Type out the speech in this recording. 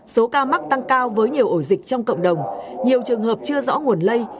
số ca mắc tăng cao với nhiều ổ dịch trong cộng đồng nhiều trường hợp chưa rõ nguồn lây